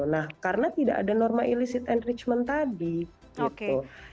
nah karena tidak ada norma illicit enrichment tadi gitu